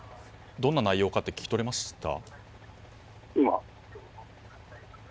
どんな内容かって聞き取れましたか。